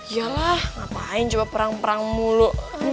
yalah ngapain coba perang perang mulu